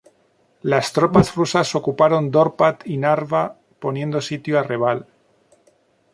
Las tropas rusas ocuparon Dorpat y Narva, poniendo sitio a Reval.